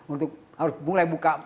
untuk harus mulai buka